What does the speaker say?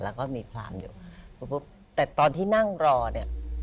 แล้วก็มีพรามอยู่แต่ตอนที่นั่งรอเนี่ย